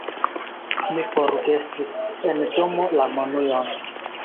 Mi forgesis en domo la monujon.